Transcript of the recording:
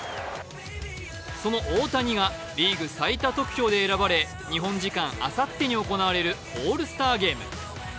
その大谷がリーグ最多得票で選ばれ日本時間あさってに行われるオールスターゲーム。